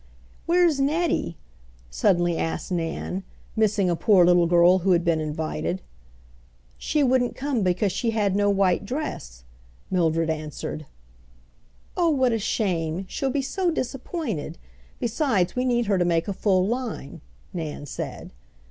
"Where's Nettie?" suddenly asked Nan, missing a poor little girl who had been invited. "She wouldn't come because she had no white dress," Mildred answered. "Oh, what a shame; she'll be so disappointed! Besides, we need her to make a full line," Nan said.